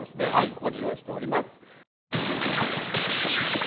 ここに用意しております